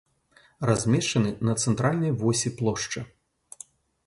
Размешчаны на цэнтральнай восі плошчы.